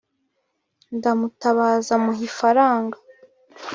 ndamutabaza muha ifaranga.